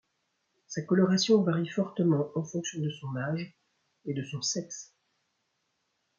Sa coloration varie fortement en fonction de son âge et de son sexe.